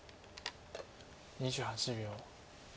２８秒。